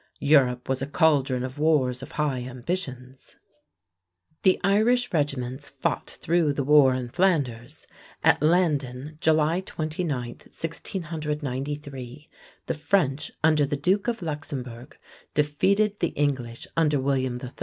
Europe was a caldron of wars of high ambitions. The Irish regiments fought through the war in Flanders. At Landen, July 29, 1693, the French under the duke of Luxembourg defeated the English under William III.